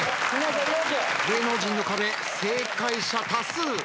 芸能人の壁正解者多数。